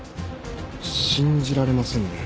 信じられませんね。